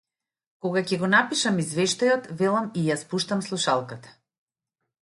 Кога ќе го напишам извештајот, велам и ја спуштам слушалката.